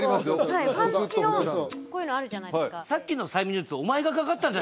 はいファン付きのこういうのあるじゃないですか